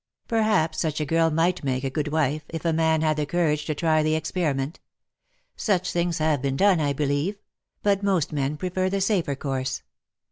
" Perhaps such a girl might make a good wife, if a man had the courage to try the experiment. Such things have been done, I believe; but most men prefer the safer course.